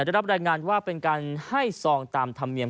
ได้รับรายงานว่าเป็นการให้ซองตามธรรมเนียม